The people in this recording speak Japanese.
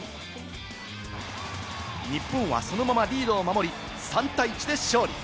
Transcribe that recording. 日本はそのままリードを守り、３対１で勝利。